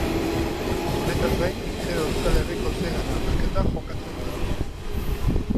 Honetaz gain urtero Euskal Herriko Sega Txapelketa jokatzen da.